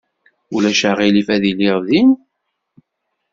Ulac aɣilif, ad iliɣ din.